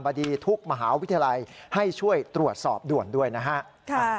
บดีทุกมหาวิทยาลัยให้ช่วยตรวจสอบด่วนด้วยนะฮะ